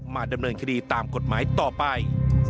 ดำเนินคดีตามกฎหมายต่อไป